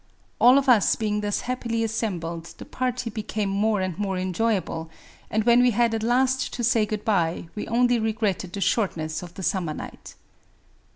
... All of us being thus happily assembled, the party became more and more enjoyable ; and when we had at last to say good by, we only regretted the shortness of the summer night.